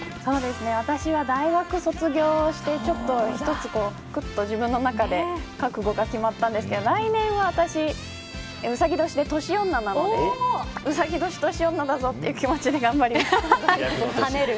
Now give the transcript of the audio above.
私は大学卒業して一つ、自分の中で覚悟が決まったんですけど来年は私、うさぎ年で年女なのでうさぎ年女という気持ちで頑張ります。